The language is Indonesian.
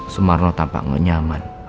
sumarno tampak ngenyaman